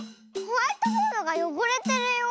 ホワイトボードがよごれてるよ。